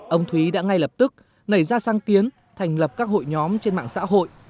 ông thúy đã ngay lập tức nảy ra sang kiến thành lập các hội nhóm trên mạng xã hội